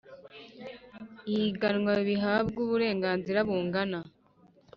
ihiganwa bihabwa uburenganzira bungana